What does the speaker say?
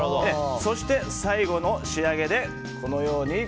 そして、最後の仕上げでこのように。